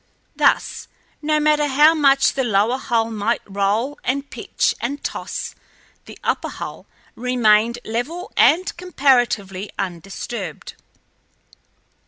Thus, no matter how much the lower hull might roll and pitch and toss, the upper hull remained level and comparatively undisturbed.